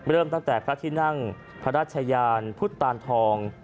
เริ่มตั้งแต่พระที่นั่งพระราชยานพุทธตานทอง